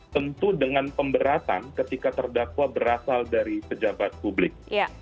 tentu dengan pemberatan ketika terdakwa berasal dari pejabat publik